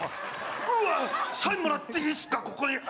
うわっ、サインもらっていいですか、ここに。